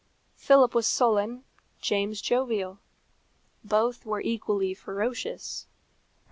Philip was sullen, James jovial. Both were equally ferocious.